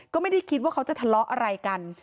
ก็ไม่ได้คิดว่าเขาจะทะเลาะอะไรกัน